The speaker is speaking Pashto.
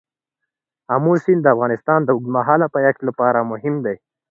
آمو سیند د افغانستان د اوږدمهاله پایښت لپاره مهم دی.